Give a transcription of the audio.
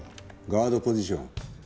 ガードポジション。